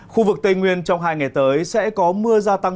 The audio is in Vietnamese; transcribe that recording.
khu vực tây nguyên trong hai ngày tới sẽ có mưa gia tăng